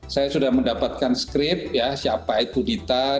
saya sudah mendapatkan skrip ya siapa itu dita